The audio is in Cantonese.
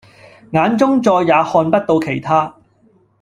眼中再也看不到其他